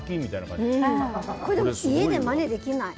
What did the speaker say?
これ、家でまねできない。